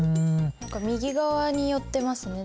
右側に寄ってますね